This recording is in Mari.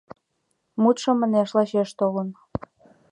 Мутшо, манеш, лачеш толын.